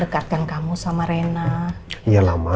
dekatkan kamu sama rena iya lah ma